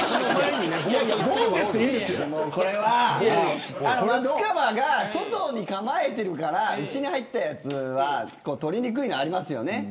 あれは松川が外に構えているから内に入ったやつは取りにくいのはありますよね。